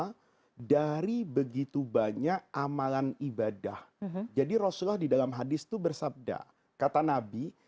karena dari begitu banyak amalan ibadah jadi rasulullah di dalam hadis itu bersabda kata nabi